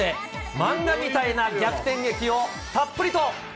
漫画みたいな逆転劇をたっぷりと。